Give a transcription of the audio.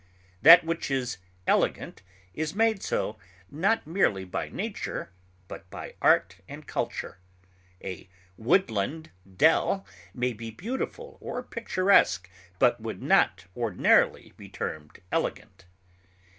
That which is elegant is made so not merely by nature, but by art and culture; a woodland dell may be beautiful or picturesque, but would not ordinarily be termed elegant.